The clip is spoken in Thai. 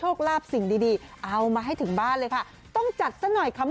โอเคอ่าเห็นไหม